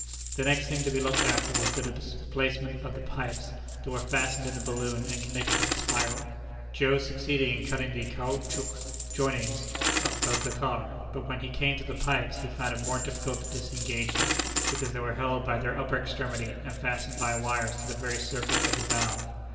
The next thing to be looked after was the displacement of the pipes that were fastened in the balloon and connected with the spiral. Joe succeeded in cutting the caoutchouc jointings above the car, but when he came to the pipes he found it more difficult to disengage them, because they were held by their upper extremity and fastened by wires to the very circlet of the valve.